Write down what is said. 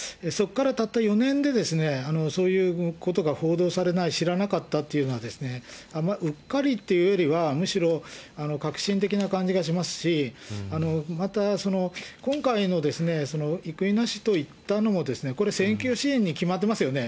ですので、そこからたった４年でですね、そういうことが報道されない、知らなかったというのは、うっかりというよりは、むしろ確信的な感じがしますし、またその、今回のですね、生稲氏といったのもこれ、選挙支援に決まってますよね。